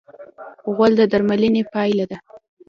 غول د درملنې پایله ده.